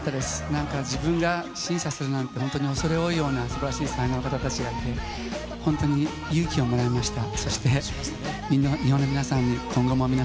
なんか自分が審査するなんて、本当に恐れ多いようなすばらしい才能の方たちがいて、本当に勇気をもらいました。